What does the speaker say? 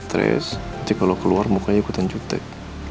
nanti dia stress nanti kalau keluar mukanya ikutan jutek